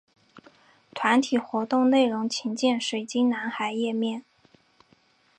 团体活动内容请见水晶男孩页面。